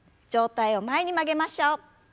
上体を前に曲げましょう。